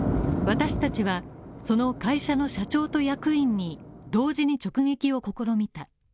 私達は、その会社の社長と役員に同時に直撃を試みた。